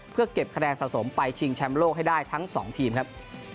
เพื่อเก็บคะแนนสะสมไปชิงแชมป์โลกให้ได้ทั้ง๒ทีมครับ